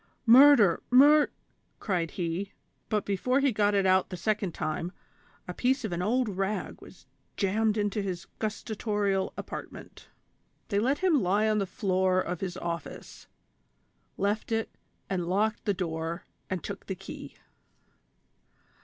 " Murder ! mur —" cried he, but before he got it out the second time, a piece of an old rag was jammed into his 228 THE SOCIAL WAR OF 1900; OR, gustatory apartment. They let him lie on the floor of his office, left it and locked the door and took the key.